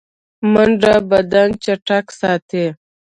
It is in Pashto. منډه بدن چټک ساتي